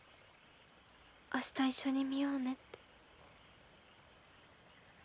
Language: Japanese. あした一緒に見ようねって。